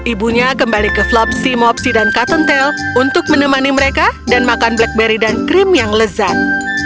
ibunya kembali ke flopsi mopsi dan cottontel untuk menemani mereka dan makan blackberry dan cream yang lezat